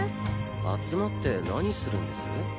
集まって何するんです？